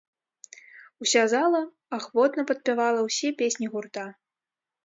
Уся зала ахвотна падпявала ўсе песні гурта.